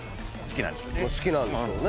好きなんでしょうね。